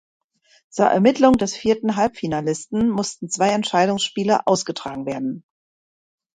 Zur Ermittlung des vierten Halbfinalisten mussten zwei Entscheidungsspiele ausgetragen werden.